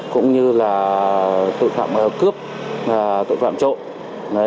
cũng như là tội phạm cướp tội phạm trộm